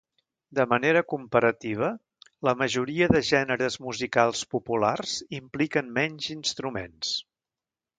De manera comparativa, la majoria de gèneres musicals populars impliquen menys instruments.